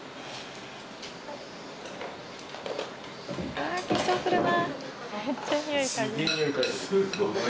あ緊張するな。